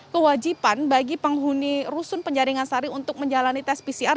kewajiban bagi penghuni rusun penjaringan sari untuk menjalani tes pcr